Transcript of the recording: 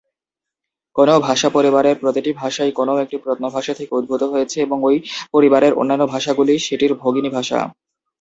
কোনও ভাষা পরিবারের প্রতিটি ভাষাই কোনও একটি প্রত্ন ভাষা থেকে উদ্ভূত হয়েছে এবং ঐ পরিবারের অন্যান্য ভাষাগুলি সেটির ভগিনী ভাষা।